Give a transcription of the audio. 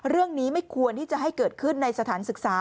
เรื่องนี้ไม่ควรที่จะให้เกิดขึ้นในสถานศึกษา